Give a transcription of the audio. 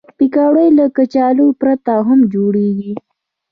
پکورې له کچالو پرته هم جوړېږي